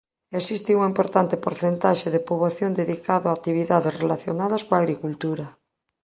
Existe unha importante porcentaxe de poboación dedicado a actividades relacionadas coa agricultura.